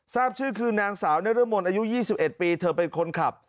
ทราบชื่อคือนางสาวนรมนอายุ๒๑ปีเธอเป็นคนขับ